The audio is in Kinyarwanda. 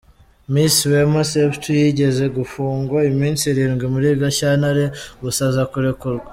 Miss Wema Septu yigeze gufungwa iminsi irindwi muri Gashyantare gusa aza kurekurwa.